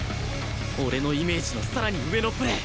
俺のイメージのさらに上のプレー